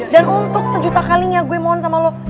dan untuk sejuta kalinya gue mohon sama lo